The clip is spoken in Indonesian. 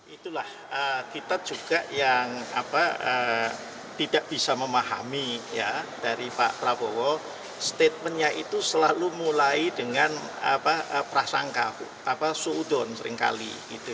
itulah kita juga yang tidak bisa memahami dari pak prabowo statementnya itu selalu mulai dengan prasangka soudon seringkali